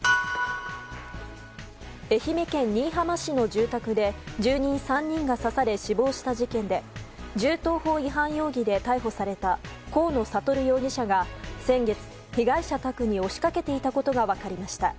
愛媛県新居浜市の住宅で住人３人が刺され死亡した事件で銃刀法違反容疑で逮捕された河野智容疑者が先月、被害者宅に押しかけていたことが分かりました。